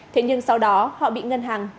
thế nhưng sau đó họ bị ngân hàng